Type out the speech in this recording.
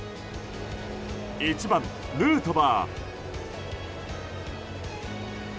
１番、ヌートバー。